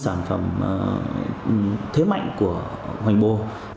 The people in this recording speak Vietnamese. sản phẩm thế mạnh của hoành bồ